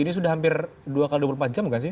ini sudah hampir dua x dua puluh empat jam gak sih